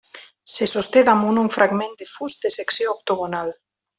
Se sosté damunt un fragment de fust de secció octogonal.